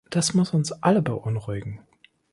Das muss uns alle beunruhigen.